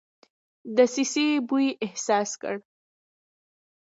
دسیسې بوی احساس کړ.